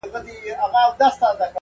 شمع نه په زړه کي دښمني لري-